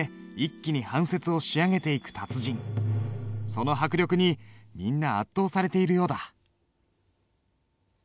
その迫力にみんな圧倒されているようだ。